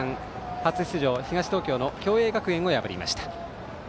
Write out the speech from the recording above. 初出場、東東京の共栄学園を破りました。